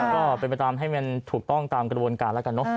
ก็เป็นไปตามให้มันถูกต้องตามกระบวนการแล้วกันเนอะ